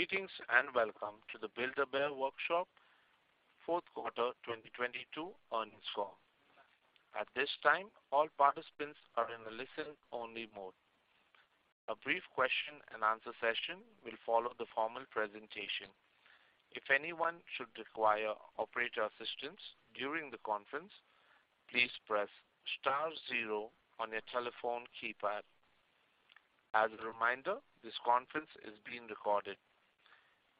Greetings, welcome to the Build-A-Bear Workshop Fourth Quarter 2022 Earnings Call. At this time, all participants are in a listen-only mode. A brief question-and-answer session will follow the formal presentation. If anyone should require operator assistance during the conference, please press star zero on your telephone keypad. As a reminder, this conference is being recorded.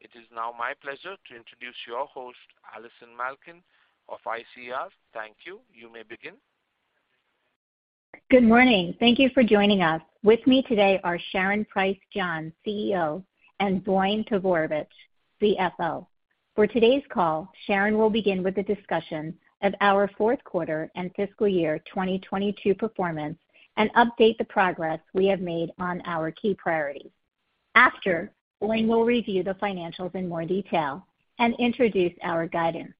It is now my pleasure to introduce your host, Allison Malkin of ICR. Thank you. You may begin. Good morning. Thank you for joining us. With me today are Sharon Price John, CEO, and Voin Todorovic, CFO. For today's call, Sharon will begin with a discussion of our fourth quarter and fiscal year 2022 performance and update the progress we have made on our key priorities. After, Voin will review the financials in more detail and introduce our guidance.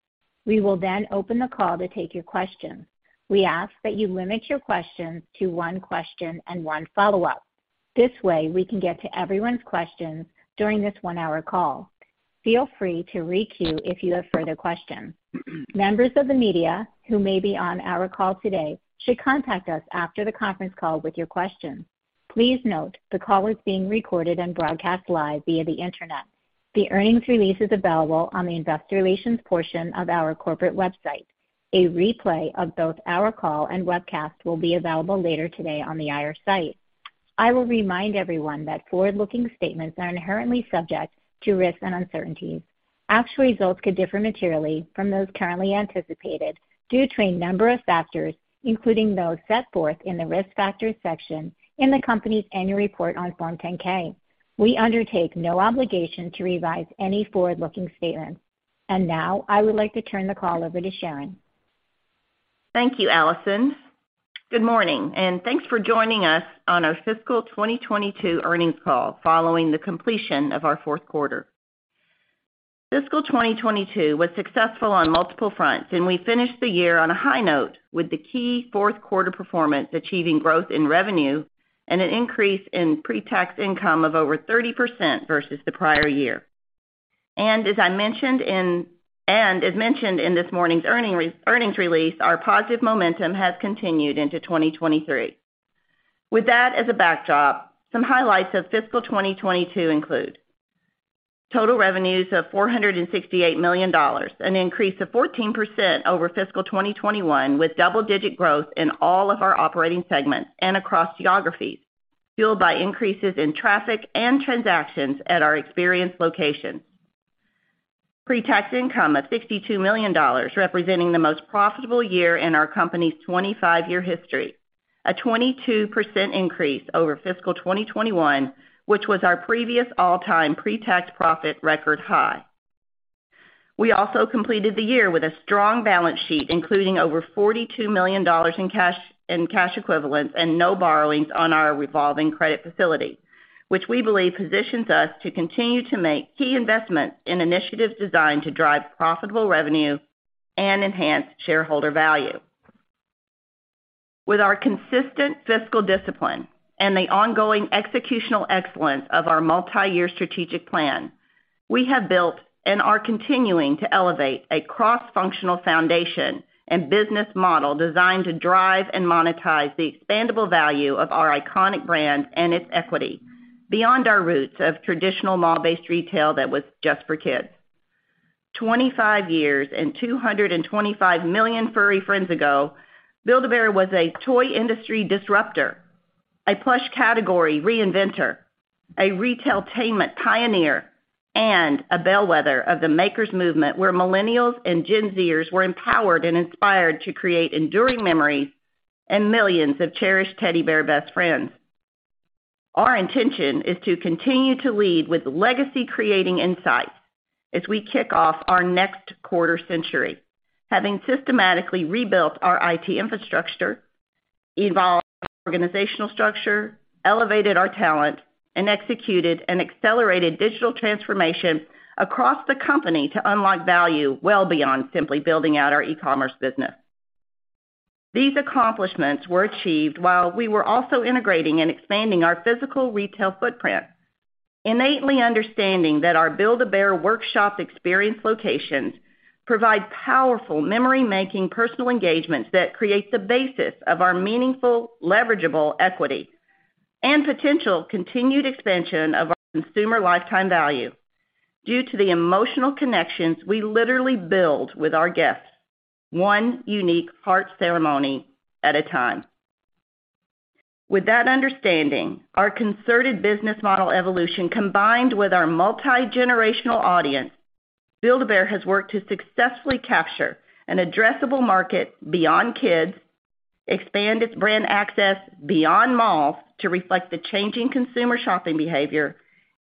We will then open the call to take your questions. We ask that you limit your questions to one question and one follow-up. This way, we can get to everyone's questions during this one-hour call. Feel free to re-queue if you have further questions. Members of the media who may be on our call today should contact us after the conference call with your questions. Please note the call is being recorded and broadcast live via the Internet. The earnings release is available on the investor relations portion of our corporate website. A replay of both our call and webcast will be available later today on the IR site. I will remind everyone that forward-looking statements are inherently subject to risks and uncertainties. Actual results could differ materially from those currently anticipated due to a number of factors, including those set forth in the Risk Factors section in the company's annual report on Form 10-K. We undertake no obligation to revise any forward-looking statements. Now, I would like to turn the call over to Sharon. Thank you, Allison. Good morning, and thanks for joining us on our fiscal 2022 earnings call following the completion of our fourth quarter. Fiscal 2022 was successful on multiple fronts, and we finished the year on a high note with the key fourth quarter performance achieving growth in revenue and an increase in pre-tax income of over 30% versus the prior year. As mentioned in this morning's earnings release, our positive momentum has continued into 2023. With that as a backdrop, some highlights of fiscal 2022 include total revenues of $468 million, an increase of 14% over fiscal 2021 with double-digit growth in all of our operating segments and across geographies, fueled by increases in traffic and transactions at our experienced locations. Pre-tax income of $62 million, representing the most profitable year in our company's 25-year history. A 22% increase over fiscal 2021, which was our previous all-time pre-tax profit record high. We also completed the year with a strong balance sheet, including over $42 million in cash and cash equivalents and no borrowings on our revolving credit facility, which we believe positions us to continue to make key investments in initiatives designed to drive profitable revenue and enhance shareholder value. With our consistent fiscal discipline and the ongoing executional excellence of our multi-year strategic plan, we have built and are continuing to elevate a cross-functional foundation and business model designed to drive and monetize the expandable value of our iconic brand and its equity beyond our roots of traditional mall-based retail that was just for kids. 25 years and 225 million furry friends ago, Build-A-Bear was a toy industry disruptor, a plush category reinventor, a retailtainment pioneer, and a bellwether of the makers movement, where millennials and Gen Zers were empowered and inspired to create enduring memories and millions of cherished teddy bear best friends. Our intention is to continue to lead with legacy-creating insights as we kick off our next quarter century, having systematically rebuilt our IT infrastructure, evolved our organizational structure, elevated our talent, and executed an accelerated digital transformation across the company to unlock value well beyond simply building out our e-commerce business. These accomplishments were achieved while we were also integrating and expanding our physical retail footprint, innately understanding that our Build-A-Bear Workshop experience locations provide powerful memory-making personal engagements that create the basis of our meaningful, leverageable equity and potential continued expansion of our consumer lifetime value due to the emotional connections we literally build with our guests, one unique heart ceremony at a time. With that understanding, our concerted business model evolution, combined with our multigenerational audience, Build-A-Bear has worked to successfully capture an addressable market beyond kids, expand its brand access beyond malls to reflect the changing consumer shopping behavior,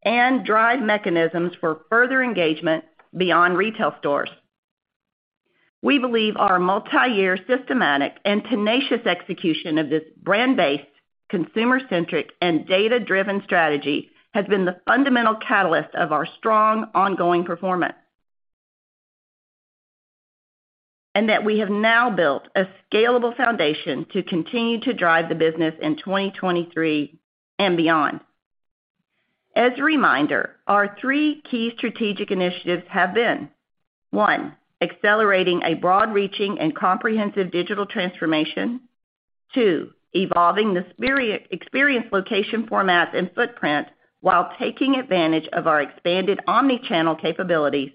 and drive mechanisms for further engagement beyond retail stores. We believe our multi-year systematic and tenacious execution of this brand-based, consumer-centric, and data-driven strategy has been the fundamental catalyst of our strong ongoing performance. That we have now built a scalable foundation to continue to drive the business in 2023 and beyond. As a reminder, our three key strategic initiatives have been, one, accelerating a broad reaching and comprehensive digital transformation. Two, evolving the experience, location, format, and footprint while taking advantage of our expanded omni-channel capabilities.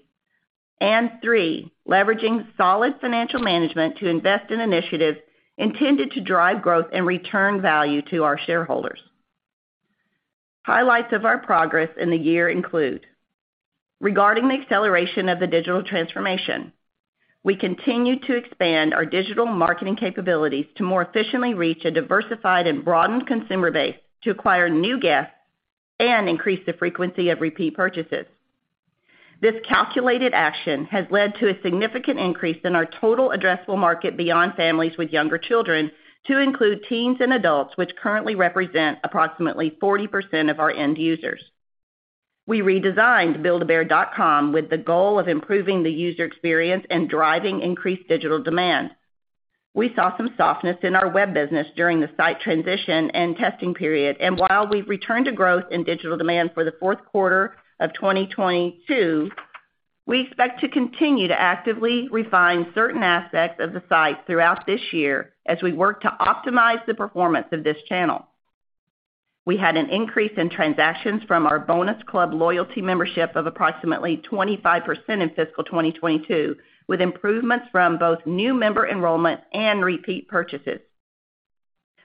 Three, leveraging solid financial management to invest in initiatives intended to drive growth and return value to our shareholders. Highlights of our progress in the year include regarding the acceleration of the digital transformation. We continue to expand our digital marketing capabilities to more efficiently reach a diversified and broadened consumer base to acquire new guests and increase the frequency of repeat purchases. This calculated action has led to a significant increase in our total addressable market beyond families with younger children to include teens and adults, which currently represent approximately 40% of our end users. We redesigned buildabear.com with the goal of improving the user experience and driving increased digital demand. We saw some softness in our web business during the site transition and testing period. While we've returned to growth in digital demand for the fourth quarter of 2022, we expect to continue to actively refine certain aspects of the site throughout this year as we work to optimize the performance of this channel. We had an increase in transactions from our Bonus Club loyalty membership of approximately 25% in fiscal 2022, with improvements from both new member enrollment and repeat purchases.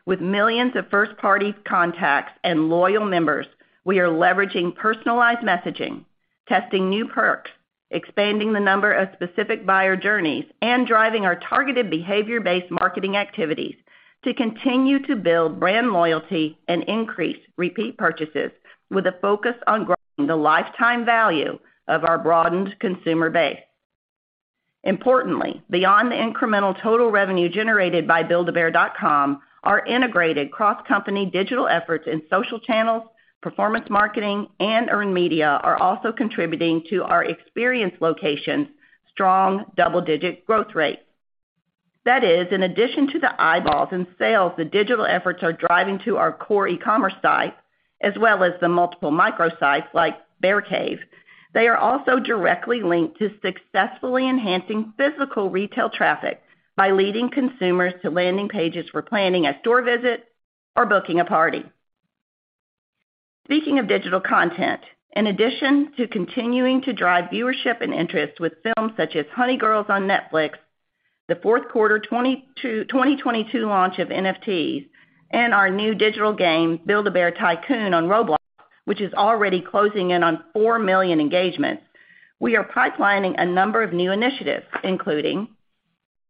With millions of first-party contacts and loyal members, we are leveraging personalized messaging, testing new perks, expanding the number of specific buyer journeys, and driving our targeted behavior-based marketing activities to continue to build brand loyalty and increase repeat purchases, with a focus on growing the lifetime value of our broadened consumer base. Importantly, beyond the incremental total revenue generated by buildabear.com, our integrated cross-company digital efforts in social channels, performance marketing, and earned media are also contributing to our experience location's strong double-digit growth rates. That is, in addition to the eyeballs and sales the digital efforts are driving to our core e-commerce site, as well as the multiple microsites like Bear Cave. They are also directly linked to successfully enhancing physical retail traffic by leading consumers to landing pages for planning a store visit or booking a party. Speaking of digital content, in addition to continuing to drive viewership and interest with films such as Honey Girls on Netflix, the fourth quarter 2022 launch of NFTs and our new digital game, Build-A-Bear Tycoon on Roblox, which is already closing in on 4 million engagements. We are pipelining a number of new initiatives, including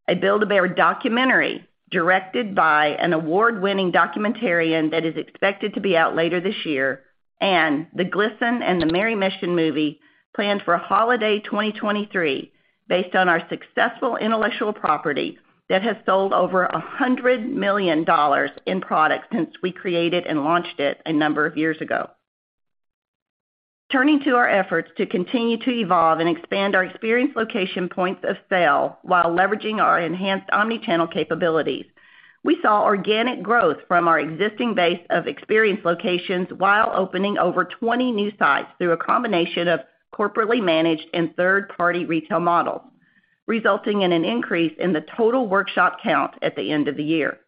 a Build-A-Bear documentary directed by an award-winning documentarian that is expected to be out later this year, and the Glisten and the Merry Mission movie planned for holiday 2023, based on our successful intellectual property that has sold over $100 million in products since we created and launched it a number of years ago. Turning to our efforts to continue to evolve and expand our experience location points of sale while leveraging our enhanced omni-channel capabilities. We saw organic growth from our existing base of experience locations while opening over 20 new sites through a combination of corporately managed and third-party retail models, resulting in an increase in the total workshop count at the end of the year.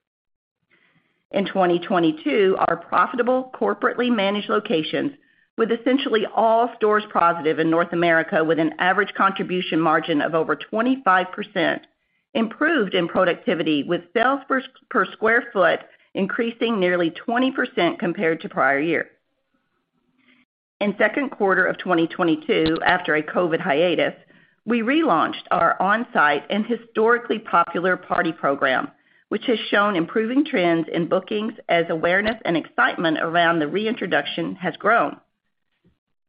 In 2022, our profitable corporately managed locations, with essentially all stores positive in North America with an average contribution margin of over 25%, improved in productivity, with sales per square foot increasing nearly 20% compared to prior year. In second quarter of 2022, after a COVID hiatus, we relaunched our on-site and historically popular party program, which has shown improving trends in bookings as awareness and excitement around the reintroduction has grown.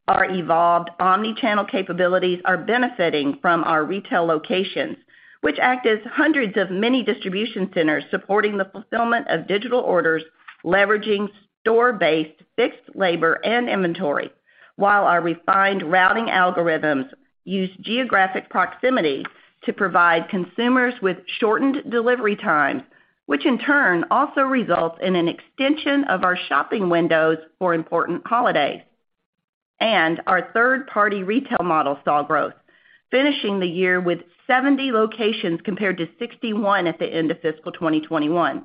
Our evolved omni-channel capabilities are benefiting from our retail locations, which act as hundreds of mini distribution centers supporting the fulfillment of digital orders, leveraging store-based fixed labor and inventory, while our refined routing algorithms use geographic proximity to provide consumers with shortened delivery times, which in turn also results in an extension of our shopping windows for important holidays. Our third-party retail model saw growth, finishing the year with 70 locations compared to 61 at the end of fiscal 2021.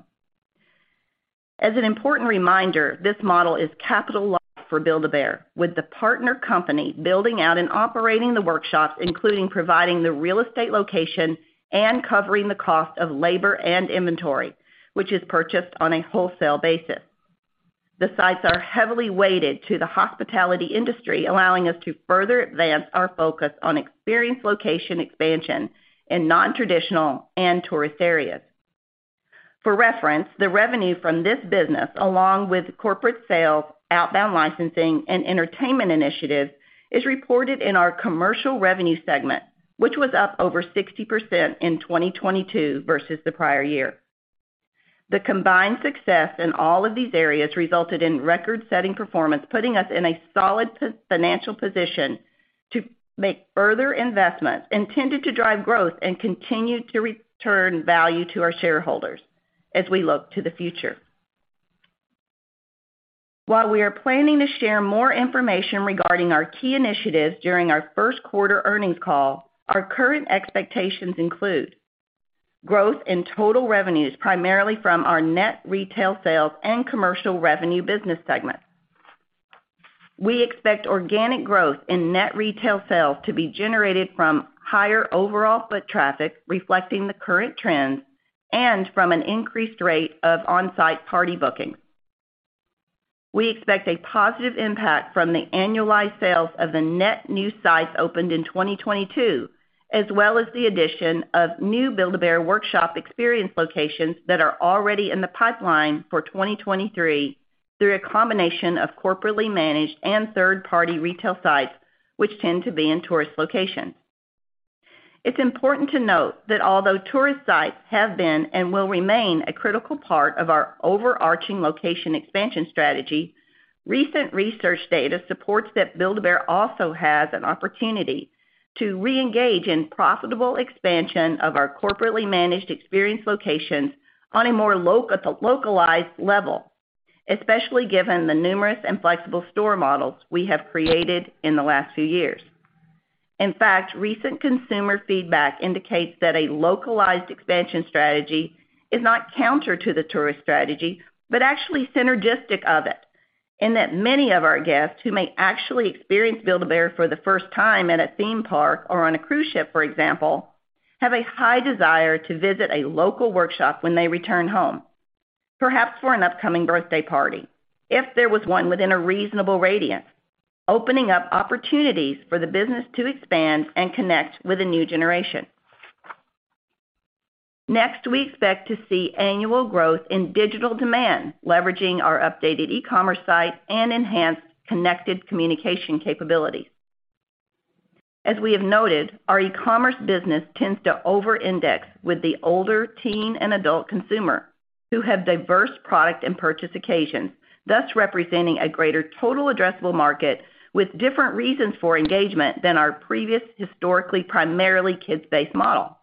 As an important reminder, this model is capital light for Build-A-Bear, with the partner company building out and operating the workshops, including providing the real estate location and covering the cost of labor and inventory, which is purchased on a wholesale basis. The sites are heavily weighted to the hospitality industry, allowing us to further advance our focus on experience location expansion in nontraditional and tourist areas. For reference, the revenue from this business, along with corporate sales, outbound licensing, and entertainment initiatives, is reported in our commercial revenue segment, which was up over 60% in 2022 versus the prior year. The combined success in all of these areas resulted in record-setting performance, putting us in a solid financial position to make further investments intended to drive growth and continue to return value to our shareholders as we look to the future. While we are planning to share more information regarding our key initiatives during our first quarter earnings call, our current expectations include growth in total revenues, primarily from our net retail sales and commercial revenue business segments. We expect organic growth in net retail sales to be generated from higher overall foot traffic, reflecting the current trends, and from an increased rate of on-site party bookings. We expect a positive impact from the annualized sales of the net new sites opened in 2022, as well as the addition of new Build-A-Bear Workshop experience locations that are already in the pipeline for 2023 through a combination of corporately managed and third-party retail sites, which tend to be in tourist locations. It's important to note that although tourist sites have been and will remain a critical part of our overarching location expansion strategy, recent research data supports that Build-A-Bear also has an opportunity to reengage in profitable expansion of our corporately managed experience locations on a more localized level, especially given the numerous and flexible store models we have created in the last few years. Recent consumer feedback indicates that a localized expansion strategy is not counter to the tourist strategy, but actually synergistic of it, in that many of our guests who may actually experience Build-A-Bear for the first time at a theme park or on a cruise ship, for example, have a high desire to visit a local workshop when they return home, perhaps for an upcoming birthday party, if there was one within a reasonable radius, opening up opportunities for the business to expand and connect with a new generation. Next, we expect to see annual growth in digital demand, leveraging our updated e-commerce site and enhanced connected communication capabilities. As we have noted, our e-commerce business tends to over-index with the older teen and adult consumer who have diverse product and purchase occasions, thus representing a greater total addressable market with different reasons for engagement than our previous historically primarily kids-based model.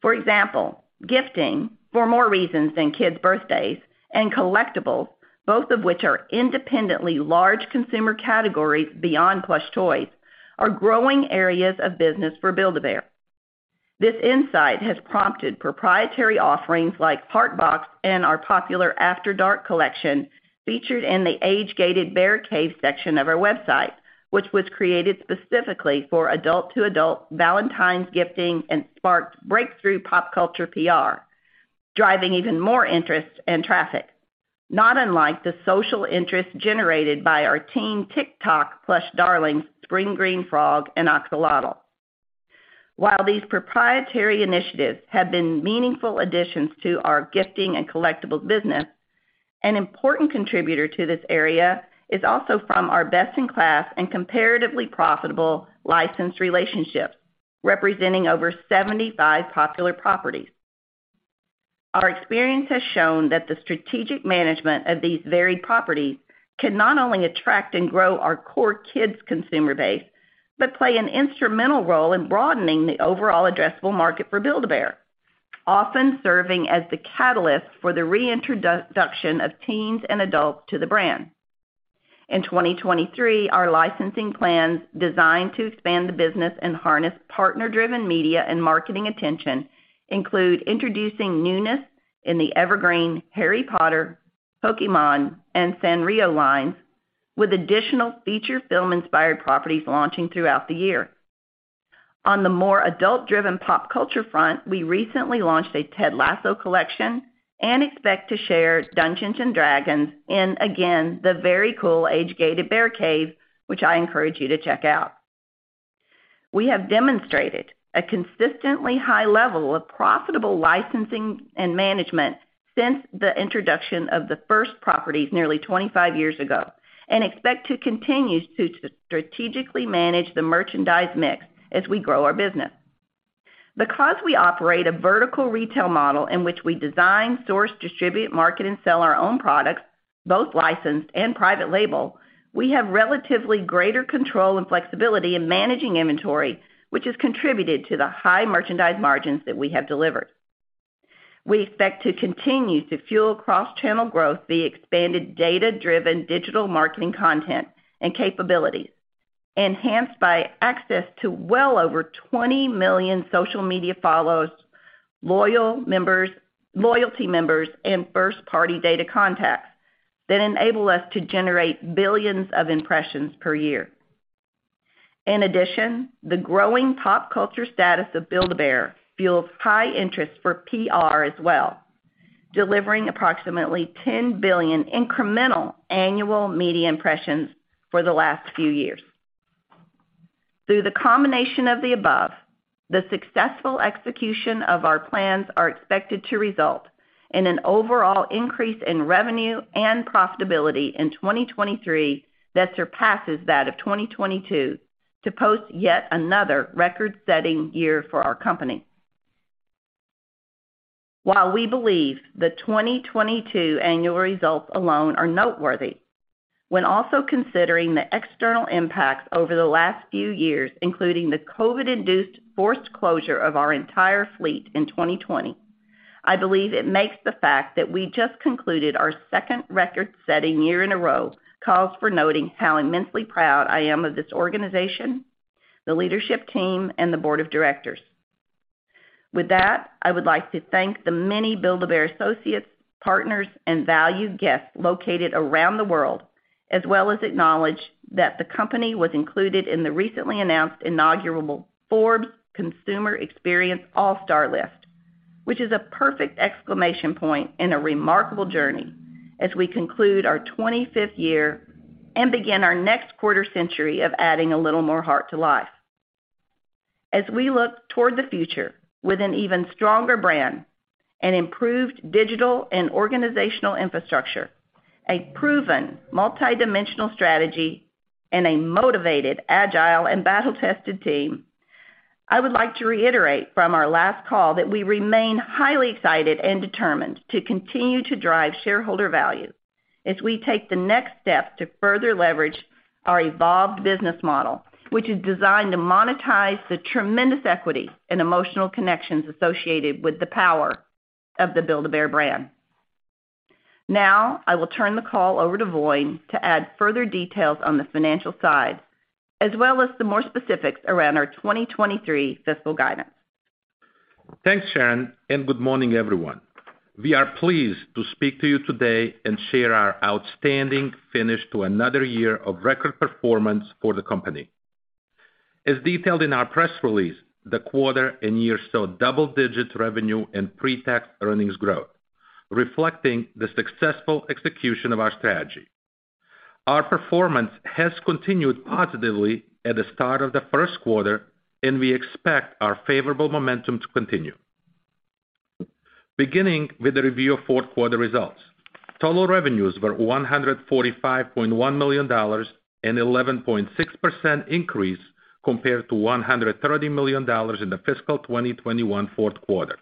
For example, gifting for more reasons than kids' birthdays and collectibles, both of which are independently large consumer categories beyond plush toys, are growing areas of business for Build-A-Bear. This insight has prompted proprietary offerings like HeartBox and our popular After Dark Collection featured in the age-gated Bear Cave section of our website, which was created specifically for adult-to-adult Valentine's gifting and sparked breakthrough pop culture PR, driving even more interest and traffic, not unlike the social interest generated by our teen TikTok plush darlings Spring Green Frog and Axolotl. While these proprietary initiatives have been meaningful additions to our gifting and collectibles business, an important contributor to this area is also from our best-in-class and comparatively profitable licensed relationships, representing over 75 popular properties. Our experience has shown that the strategic management of these varied properties can not only attract and grow our core kids' consumer base, but play an instrumental role in broadening the overall addressable market for Build-A-Bear, often serving as the catalyst for the reintroduction of teens and adults to the brand. In 2023, our licensing plans designed to expand the business and harness partner-driven media and marketing attention include introducing newness in the evergreen Harry Potter, Pokémon, and Sanrio lines with additional feature film-inspired properties launching throughout the year. On the more adult-driven pop culture front, we recently launched a Ted Lasso Collection and expect to share Dungeons & Dragons in, again, the very cool age-gated Bear Cave, which I encourage you to check out. We have demonstrated a consistently high level of profitable licensing and management since the introduction of the first properties nearly 25 years ago and expect to continue to strategically manage the merchandise mix as we grow our business. Because we operate a vertical retail model in which we design, source, distribute, market, and sell our own products, both licensed and private label, we have relatively greater control and flexibility in managing inventory, which has contributed to the high merchandise margins that we have delivered. We expect to continue to fuel cross-channel growth via expanded data-driven digital marketing content and capabilities, enhanced by access to well over 20 million social media followers, loyalty members, and first-party data contacts that enable us to generate billions of impressions per year. In addition, the growing pop culture status of Build-A-Bear fuels high interest for PR as well, delivering approximately 10 billion incremental annual media impressions for the last few years. Through the combination of the above, the successful execution of our plans are expected to result in an overall increase in revenue and profitability in 2023 that surpasses that of 2022. To post yet another record-setting year for our company. While we believe the 2022 annual results alone are noteworthy, when also considering the external impacts over the last few years, including the COVID-induced forced closure of our entire fleet in 2020, I believe it makes the fact that we just concluded our second record-setting year in a row calls for noting how immensely proud I am of this organization, the leadership team, and the board of directors. With that, I would like to thank the many Build-A-Bear associates, partners, and valued guests located around the world, as well as acknowledge that the company was included in the recently announced inaugural Forbes Customer Experience All-Stars List, which is a perfect exclamation point in a remarkable journey as we conclude our 25th year and begin our next quarter-century of adding a little more heart to life. As we look toward the future with an even stronger brand and improved digital and organizational infrastructure, a proven multidimensional strategy, and a motivated, agile, and battle-tested team, I would like to reiterate from our last call that we remain highly excited and determined to continue to drive shareholder value as we take the next step to further leverage our evolved business model, which is designed to monetize the tremendous equity and emotional connections associated with the power of the Build-A-Bear brand. I will turn the call over to Voin to add further details on the financial side, as well as some more specifics around our 2023 fiscal guidance. Thanks, Sharon, and good morning, everyone. We are pleased to speak to you today and share our outstanding finish to another year of record performance for the company. As detailed in our press release, the quarter and year saw double-digit revenue and pre-tax earnings growth, reflecting the successful execution of our strategy. Our performance has continued positively at the start of the first quarter, and we expect our favorable momentum to continue. Beginning with the review of fourth quarter results. Total revenues were $145.1 million, an 11.6% increase compared to $130 million in the fiscal 2021 fourth quarter.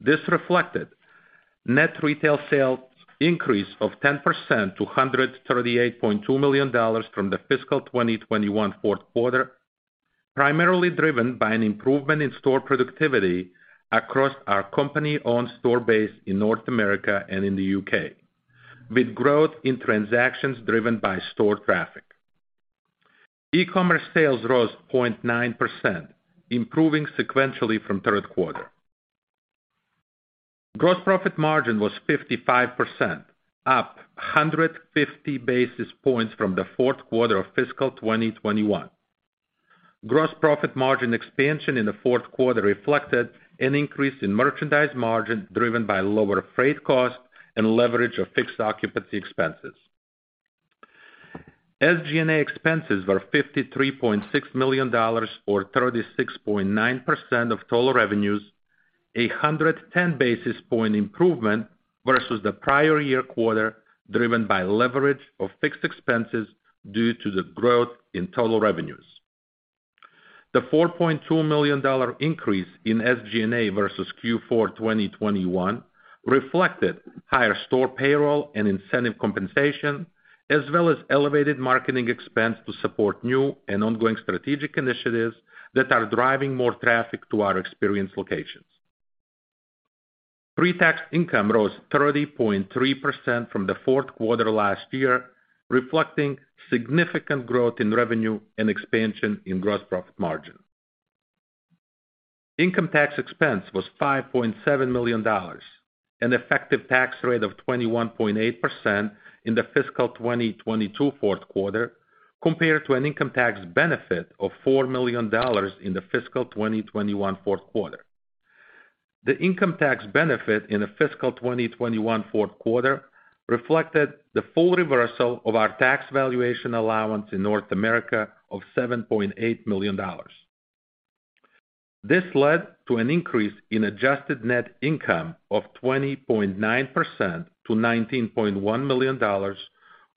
This reflected net retail sales increase of 10% to $138.2 million from the fiscal 2021 fourth quarter, primarily driven by an improvement in store productivity across our company-owned store base in North America and in the U.K., with growth in transactions driven by store traffic. E-commerce sales rose 0.9%, improving sequentially from third quarter. Gross profit margin was 55%, up 150 basis points from the fourth quarter of fiscal 2021. Gross profit margin expansion in the fourth quarter reflected an increase in merchandise margin, driven by lower freight costs and leverage of fixed occupancy expenses. SG&A expenses were $53.6 million, or 36.9% of total revenues, a 110 basis point improvement versus the prior year quarter, driven by leverage of fixed expenses due to the growth in total revenues. The $4.2 million increase in SG&A versus Q4 2021 reflected higher store payroll and incentive compensation, as well as elevated marketing expense to support new and ongoing strategic initiatives that are driving more traffic to our experience locations. Pre-tax income rose 30.3% from the fourth quarter last year, reflecting significant growth in revenue and expansion in gross profit margin. Income tax expense was $5.7 million, an effective tax rate of 21.8% in the fiscal 2022 fourth quarter, compared to an income tax benefit of $4 million in the fiscal 2021 fourth quarter. The income tax benefit in the fiscal 2021 fourth quarter reflected the full reversal of our tax valuation allowance in North America of $7.8 million. This led to an increase in adjusted net income of 20.9% to $19.1 million,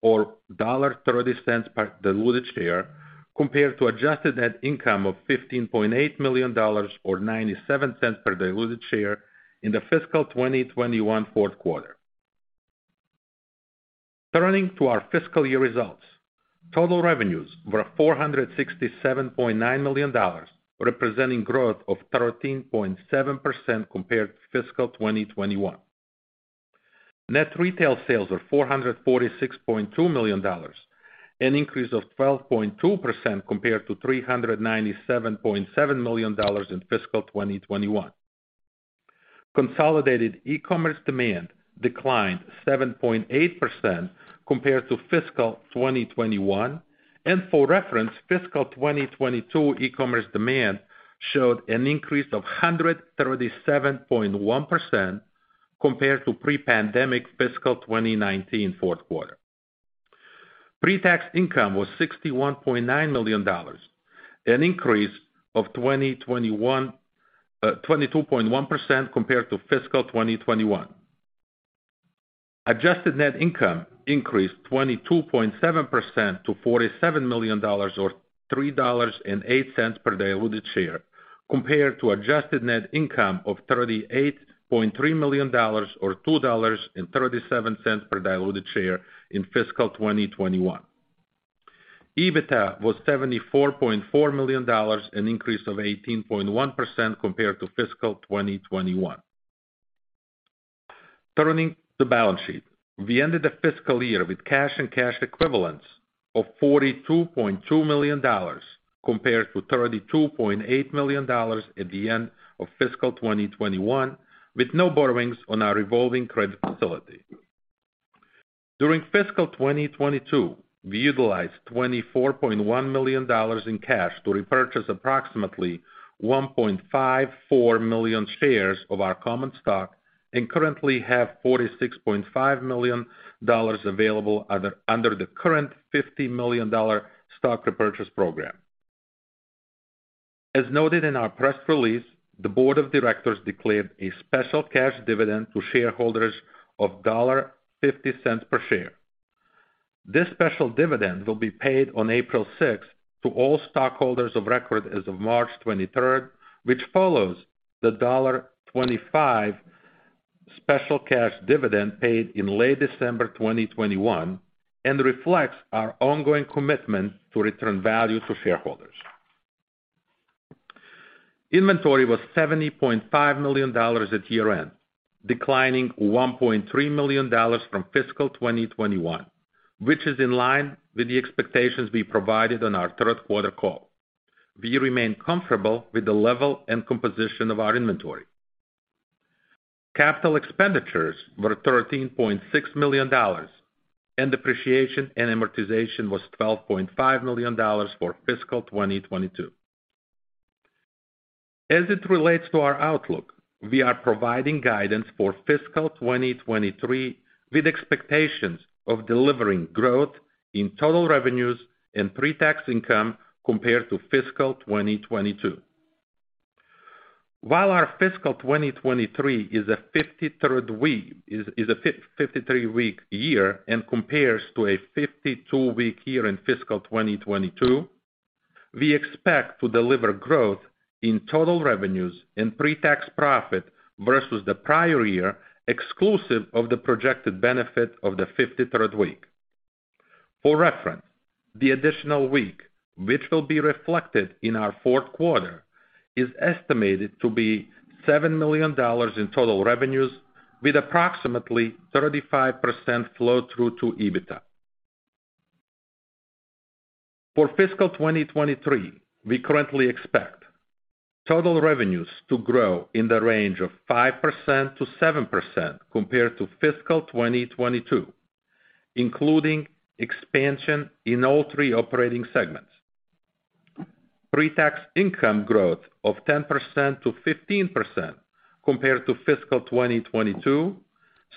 or $1.30 per diluted share, compared to adjusted net income of $15.8 million or $0.97 per diluted share in the fiscal 2021 fourth quarter. Turning to our fiscal year results. Total revenues were $467.9 million, representing growth of 13.7% compared to fiscal 2021. Net retail sales were $446.2 million, an increase of 12.2% compared to $397.7 million in fiscal 2021. Consolidated e-commerce demand declined 7.8% compared to fiscal 2021. For reference, fiscal 2022 e-commerce demand showed an increase of 137.1% compared to pre-pandemic fiscal 2019 fourth quarter. Pre-tax income was $61.9 million, an increase of 22.1% compared to fiscal 2021. Adjusted net income increased 22.7% to $47 million or $3.08 per diluted share compared to adjusted net income of $38.3 million or $2.37 per diluted share in fiscal 2021. EBITDA was $74.4 million, an increase of 18.1% compared to fiscal 2021. Turning to the balance sheet. We ended the fiscal year with cash and cash equivalents of $42.2 million compared to $32.8 million at the end of fiscal 2021, with no borrowings on our revolving credit facility. During fiscal 2022, we utilized $24.1 million in cash to repurchase approximately 1.54 million shares of our common stock and currently have $46.5 million available under the current $50 million stock repurchase program. As noted in our press release, the board of directors declared a special cash dividend to shareholders of $0.50 per share. This special dividend will be paid on April 6th to all stockholders of record as of March 23rd, which follows the $1.25 special cash dividend paid in late December 2021 and reflects our ongoing commitment to return value to shareholders. Inventory was $70.5 million at year-end, declining $1.3 million from fiscal 2021, which is in line with the expectations we provided on our third quarter call. We remain comfortable with the level and composition of our inventory. Capital expenditures were $13.6 million, depreciation and amortization was $12.5 million for fiscal 2022. As it relates to our outlook, we are providing guidance for fiscal 2023 with expectations of delivering growth in total revenues and pre-tax income compared to fiscal 2022. While our fiscal 2023 is a 53-week year and compares to a 52-week year in fiscal 2022, we expect to deliver growth in total revenues and pre-tax profit versus the prior year exclusive of the projected benefit of the 53rd week. For reference, the additional week, which will be reflected in our fourth quarter, is estimated to be $7 million in total revenues with approximately 35% flow through to EBITDA. For fiscal 2023, we currently expect total revenues to grow in the range of 5%-7% compared to fiscal 2022, including expansion in all three operating segments. Pre-tax income growth of 10%-15% compared to fiscal 2022,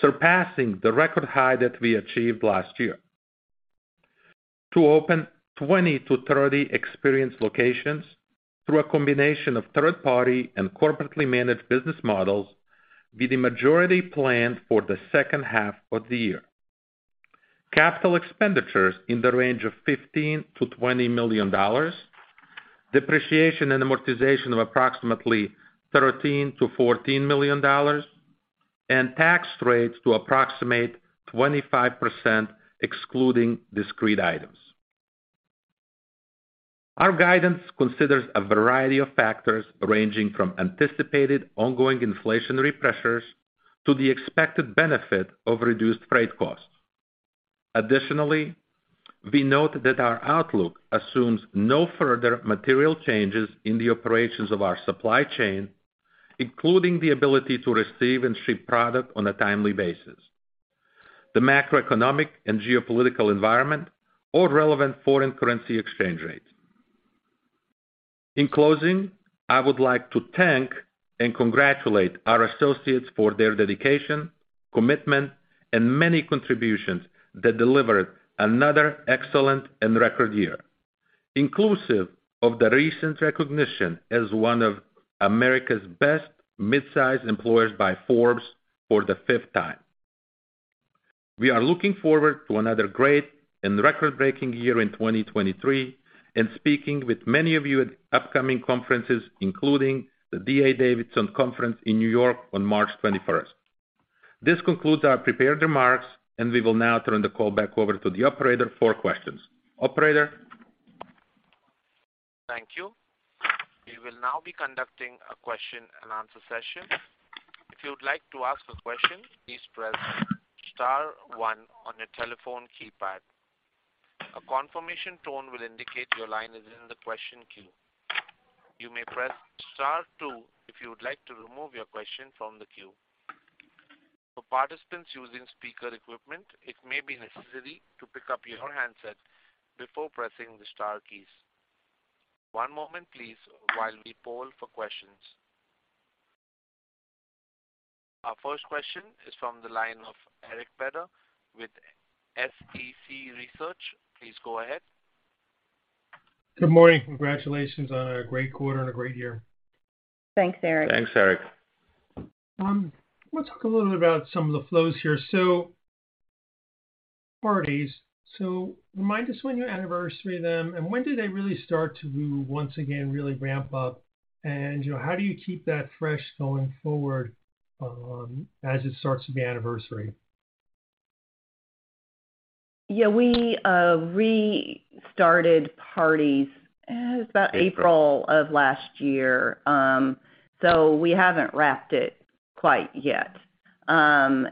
surpassing the record high that we achieved last year. To open 20-30 experience locations through a combination of third-party and corporately managed business models, with the majority planned for the second half of the year. Capital expenditures in the range of $15 million-$20 million. Depreciation and amortization of approximately $13 million-$14 million and tax rates to approximate 25% excluding discrete items. Our guidance considers a variety of factors ranging from anticipated ongoing inflationary pressures to the expected benefit of reduced freight costs. Additionally, we note that our outlook assumes no further material changes in the operations of our supply chain, including the ability to receive and ship product on a timely basis, the macroeconomic and geopolitical environment or relevant foreign currency exchange rates. In closing, I would like to thank and congratulate our associates for their dedication, commitment, and many contributions that delivered another excellent and record year, inclusive of the recent recognition as one of America's Best Midsize Employers by Forbes for the fifth time. We are looking forward to another great and record-breaking year in 2023 and speaking with many of you at upcoming conferences, including the D.A. Davidson Conference in New York on March 21st. This concludes our prepared remarks, and we will now turn the call back over to the operator for questions. Operator? Thank you. We will now be conducting a question and answer session. If you would like to ask a question, please press star one on your telephone keypad. A confirmation tone will indicate your line is in the question queue. You may press star two if you would like to remove your question from the queue. For participants using speaker equipment, it may be necessary to pick up your handset before pressing the star keys. One moment please while we poll for questions. Our first question is from the line of Eric Beder with SCC Research. Please go ahead. Good morning. Congratulations on a great quarter and a great year. Thanks, Eric. Thanks, Eric. Let's talk a little bit about some of the flows here. Parties, so remind us when you anniversary them, and when do they really start to once again really ramp up? You know, how do you keep that fresh going forward, as it starts to be anniversary? Yeah, we restarted parties about April of last year. We haven't wrapped it quite yet. You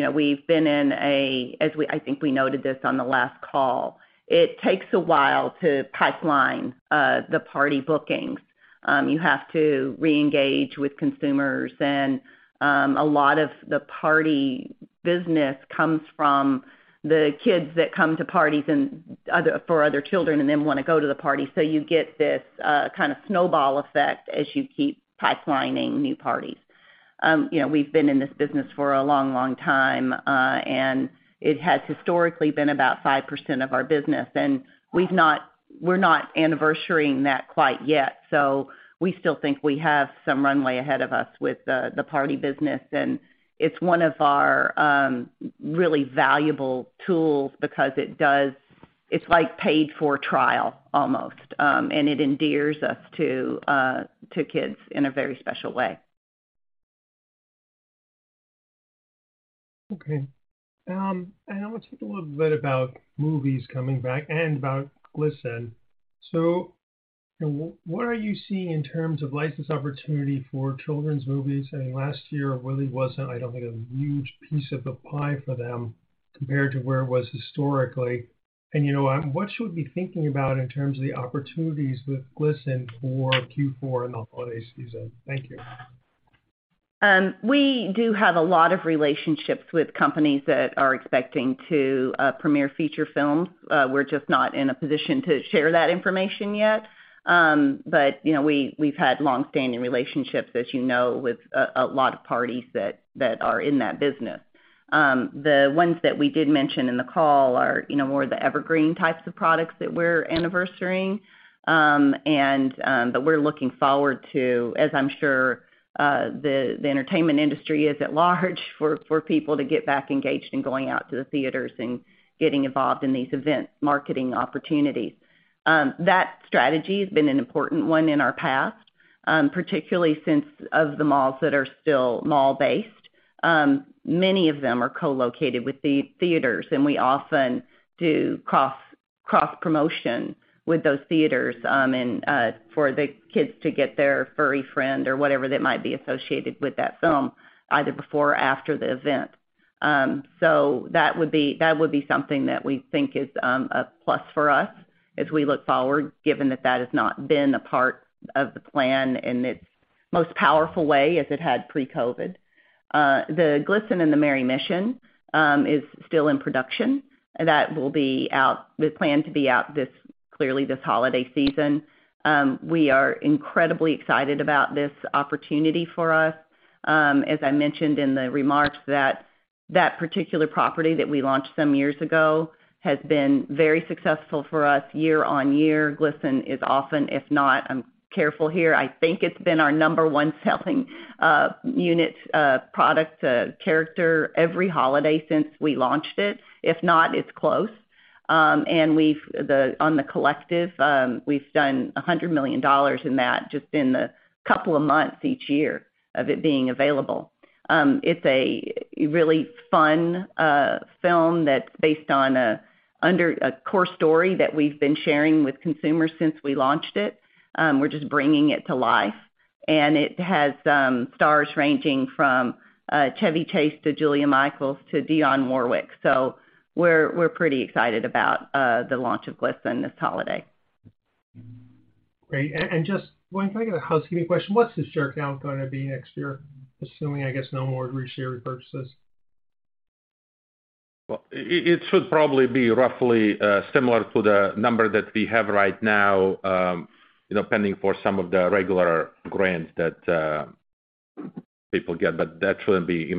know, we've been in as we, I think we noted this on the last call, it takes a while to pipeline the party bookings. You have to reengage with consumers and a lot of the party business comes from the kids that come to parties and for other children and then wanna go to the party. You get this kind of snowball effect as you keep pipelining new parties. You know, we've been in this business for a long, long time, and it has historically been about 5% of our business. We're not anniversarying that quite yet. We still think we have some runway ahead of us with the party business. It's one of our, really valuable tools because it's like paid for trial almost. It endears us to kids in a very special way. Okay. I wanna talk a little bit about movies coming back and about Glisten. What are you seeing in terms of license opportunity for children's movies? Last year really wasn't, I don't think, a huge piece of the pie for them compared to where it was historically. You know, what should we be thinking about in terms of the opportunities with Glisten for Q4 and the holiday season? Thank you. We do have a lot of relationships with companies that are expecting to premiere feature films. We're just not in a position to share that information yet. You know, we've had longstanding relationships, as you know, with a lot of parties that are in that business. The ones that we did mention in the call are, you know, more of the evergreen types of products that we're anniversarying. But we're looking forward to, as I'm sure, the entertainment industry is at large for people to get back engaged in going out to the theaters and getting involved in these event marketing opportunities. That strategy has been an important one in our past, particularly since, of the malls that are still mall-based, many of them are co-located with the theaters, and we often do cross-promotion with those theaters, for the kids to get their furry friend or whatever that might be associated with that film, either before or after the event. That would be something that we think is a plus for us as we look forward, given that that has not been a part of the plan in its most powerful way as it had pre-COVID. The Glisten and the Merry Mission is still in production. That will be out, is planned to be out this, clearly this holiday season. We are incredibly excited about this opportunity for us. As I mentioned in the remarks that that particular property that we launched some years ago has been very successful for us year-on-year. Glisten is often, if not, I'm careful here, I think it's been our number one selling unit, product, character every holiday since we launched it. If not, it's close. On the collective, we've done $100 million in that just in the couple of months each year of it being available. It's a really fun film that's based on a core story that we've been sharing with consumers since we launched it. We're just bringing it to life. It has stars ranging from Chevy Chase to Julia Michaels to Dionne Warwick. We're pretty excited about the launch of Glisten this holiday. Great. Just one kind of a housekeeping question. What's the share count gonna be next year, assuming I guess no more share repurchases? Well, it should probably be roughly similar to the number that we have right now, you know, pending for some of the regular grants that people get. That should be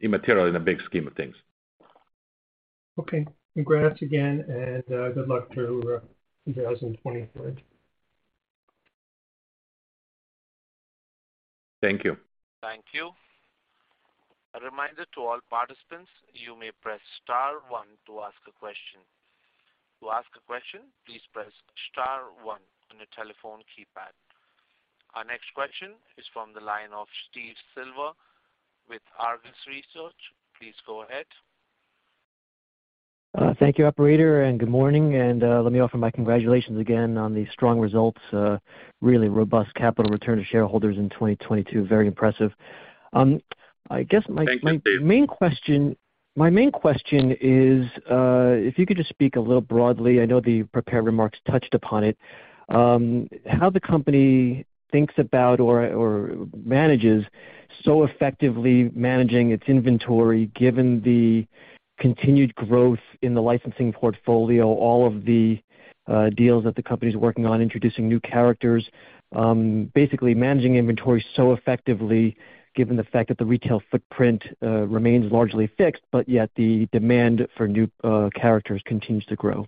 immaterial in the big scheme of things. Okay. Congrats again, and good luck through 2023. Thank you. Thank you. A reminder to all participants, you may press star one to ask a question. To ask a question, please press star one on your telephone keypad. Our next question is from the line of Steve Silver with Argus Research. Please go ahead. Thank you, operator, and good morning. Let me offer my congratulations again on the strong results, really robust capital return to shareholders in 2022. Very impressive. Thanks, Steve. My main question is, if you could just speak a little broadly, I know the prepared remarks touched upon it, how the company thinks about or manages so effectively managing its inventory given the continued growth in the licensing portfolio, all of the deals that the company's working on introducing new characters, basically managing inventory so effectively given the fact that the retail footprint remains largely fixed, yet the demand for new characters continues to grow.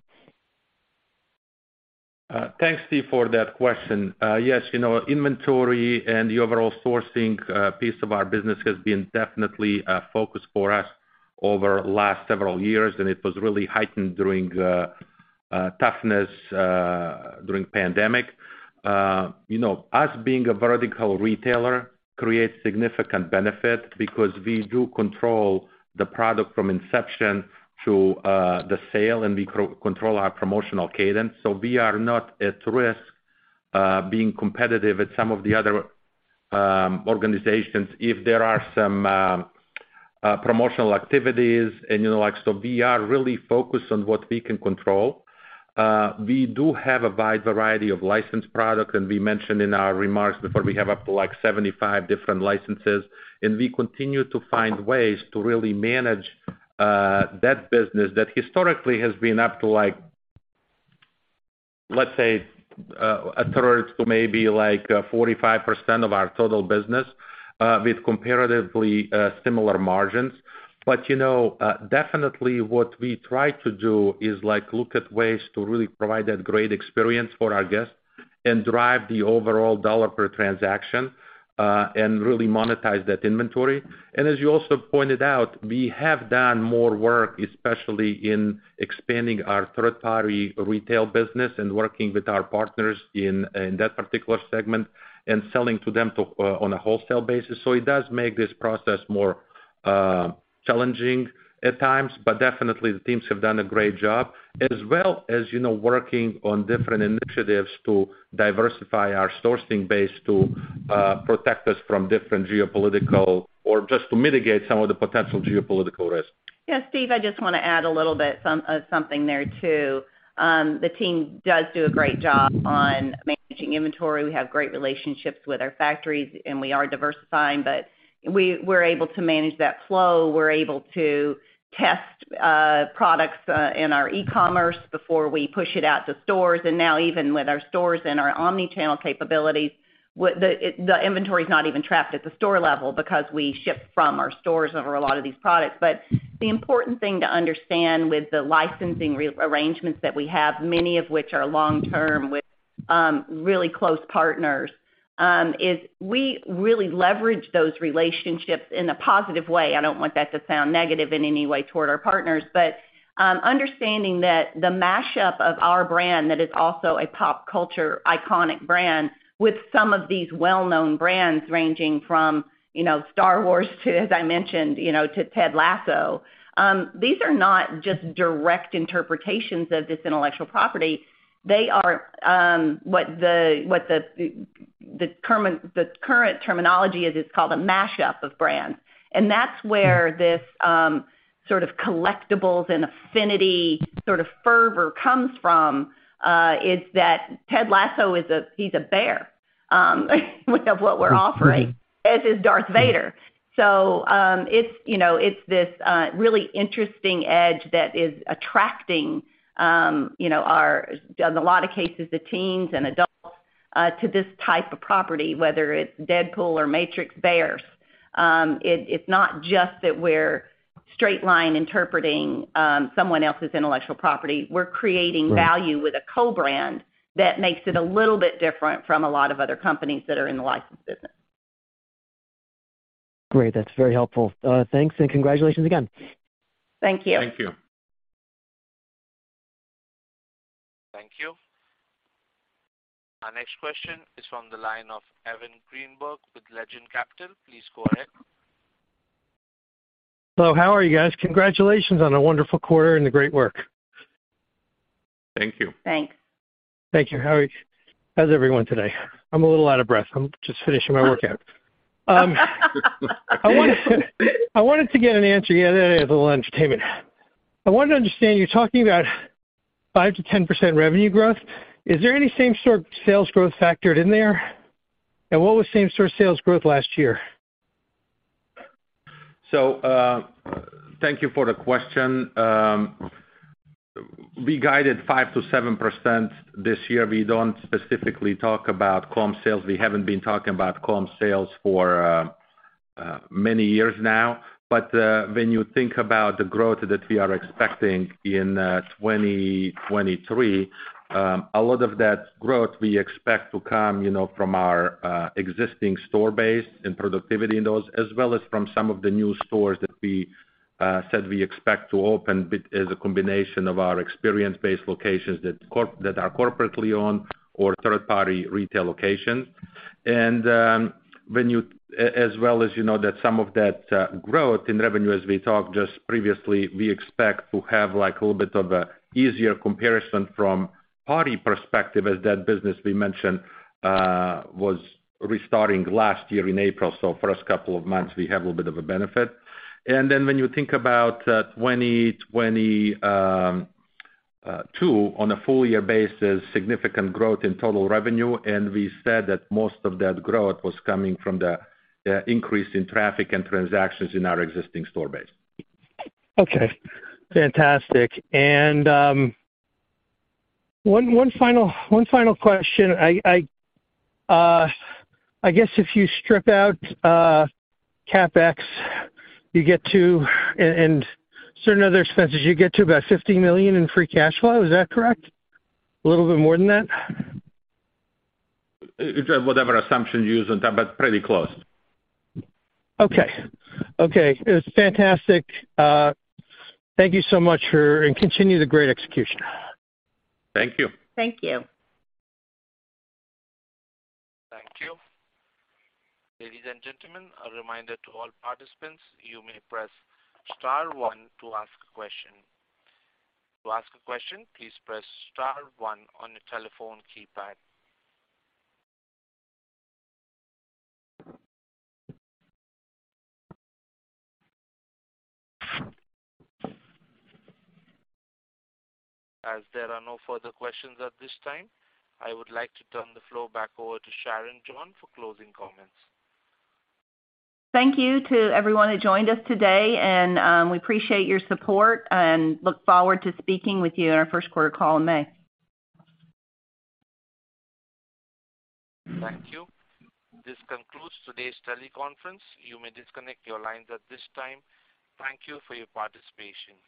Thanks, Steve, for that question. Yes, you know, inventory and the overall sourcing, piece of our business has been definitely a focus for us over last several years, and it was really heightened during toughness during pandemic. You know, us being a vertical retailer creates significant benefit because we do control the product from inception to the sale, and we control our promotional cadence. We are not at risk, being competitive with some of the other organizations if there are some promotional activities and, you know, like... We are really focused on what we can control. We do have a wide variety of licensed product, and we mentioned in our remarks before, we have up to, like, 75 different licenses. We continue to find ways to really manage that business that historically has been up to like, let's say, a third to maybe like 45% of our total business, with comparatively similar margins. You know, definitely what we try to do is, like, look at ways to really provide that great experience for our guests and drive the overall dollar per transaction, and really monetize that inventory. As you also pointed out, we have done more work, especially in expanding our third-party retail business and working with our partners in that particular segment and selling to them on a wholesale basis. It does make this process more challenging at times. Definitely the teams have done a great job, as well as, you know, working on different initiatives to diversify our sourcing base to protect us from different geopolitical or just to mitigate some of the potential geopolitical risk. Steve, I just wanna add a little bit something there too. The team does do a great job on managing inventory. We have great relationships with our factories, and we are diversifying, but we're able to manage that flow. We're able to test products in our e-commerce before we push it out to stores. Now even with our stores and our omni-channel capabilities, the inventory is not even trapped at the store level because we ship from our stores over a lot of these products. The important thing to understand with the licensing re-arrangements that we have, many of which are long-term with really close partners, is we really leverage those relationships in a positive way. I don't want that to sound negative in any way toward our partners, but, understanding that the mashup of our brand that is also a pop culture iconic brand with some of these well-known brands ranging from, you know, Star Wars to, as I mentioned, you know, to Ted Lasso. These are not just direct interpretations of this intellectual property. They are, what the current terminology is, it's called a mashup of brands. That's where this, sort of collectibles and affinity sort of fervor comes from, is that Ted Lasso is a bear, with of what we're offering, as is Darth Vader. it's, you know, it's this really interesting edge that is attracting, you know, our, in a lot of cases, the teens and adults, to this type of property, whether it's Deadpool or Matrix bears. It's not just that we're straight line interpreting, someone else's intellectual property. We're creating value with a co-brand that makes it a little bit different from a lot of other companies that are in the license business. Great. That's very helpful. Thanks, and congratulations again. Thank you. Thank you. Thank you. Our next question is from the line of Evan Greenberg with Legend Capital. Please go ahead. Hello, how are you guys? Congratulations on a wonderful quarter and the great work. Thank you. Thanks. Thank you. How's everyone today? I'm a little out of breath. I'm just finishing my workout. I wanted to get an answer. Yeah, that is a little entertainment. I wanted to understand, you're talking about 5%-10% revenue growth. Is there any same-store sales growth factored in there? What was same-store sales growth last year? Thank you for the question. We guided 5%-7% this year. We don't specifically talk about comp sales. We haven't been talking about comp sales for many years now. When you think about the growth that we are expecting in 2022 on a full year basis, significant growth in total revenue, and we said that most of that growth was coming from the increase in traffic and transactions in our existing store base. Okay, fantastic. One final question. I guess if you strip out CapEx, you get to and certain other expenses, you get to about $50 million in free cash flow. Is that correct? A little bit more than that? It's whatever assumption you use on top, but pretty close. Okay. Okay. It was fantastic. Thank you so much for... Continue the great execution. Thank you. Thank you. Thank you. Ladies and gentlemen, a reminder to all participants, you may press star one to ask a question. To ask a question, please press star one on your telephone keypad. As there are no further questions at this time, I would like to turn the floor back over to Sharon John for closing comments. Thank you to everyone who joined us today, and we appreciate your support and look forward to speaking with you in our first quarter call in May. Thank you. This concludes today's teleconference. You may disconnect your lines at this time. Thank you for your participation.